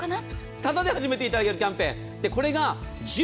タダで始めていただけるキャンペーン。